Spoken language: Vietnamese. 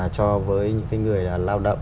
cho với những người là lao động